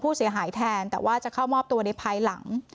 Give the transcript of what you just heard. ผู้เสียหายแทนแต่ว่าจะเข้ามอบตัวในภายลำ